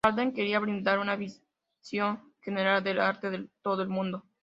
Walden quería brindar una visión general del arte de todo el mundo.